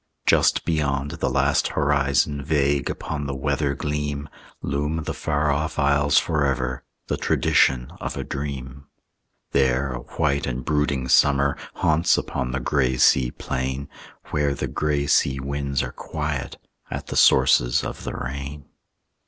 Just beyond the last horizon, Vague upon the weather gleam, Loom the Faroff Isles forever, The tradition of a dream. There a white and brooding summer Haunts upon the gray sea plain, Where the gray sea winds are quiet At the sources of the rain.